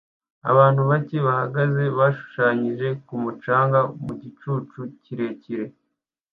Abantu bake bahagaze bashushanyije ku mucanga mu gicucu kirekire